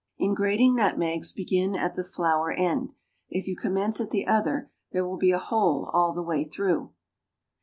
In grating nutmegs begin at the flower end; if you commence at the other, there will be a hole all the way through.